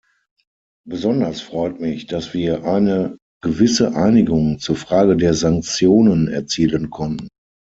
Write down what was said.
Besonders freut mich, dass wir eine gewisse Einigung zur Frage der Sanktionen erzielen konnten.